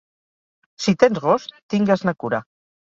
Si tens gos, tingues-ne cura.